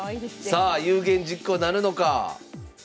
さあ有言実行なるのか！